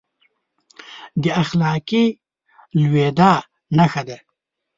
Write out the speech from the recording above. د اخلاقي لوېدا نښه دی.